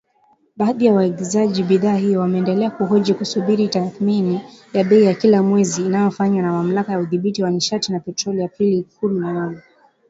Baadhi ya waagizaji bidhaa hiyo wameendelea kuhoji wakisubiri tathmini ya bei kila mwezi inayofanywa na Mamlaka ya Udhibiti wa Nishati na Petroli Aprili kumi na nne.